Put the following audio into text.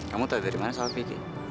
kamu tau dari mana soal vicky